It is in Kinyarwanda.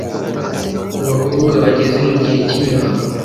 ku bakobwa bageze mu gihe cy’imihango,